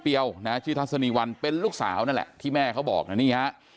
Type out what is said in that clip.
เดียวนะชื่อทัศนีวันเป็นลูกสาวนั่นแหละที่แม่เขาบอกนะนี่ฮะ